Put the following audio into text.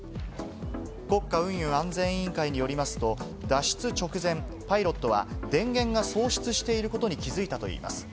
国家運輸安全委員会によりますと、脱出直前、パイロットは電源が喪失していることに気づいたといいます。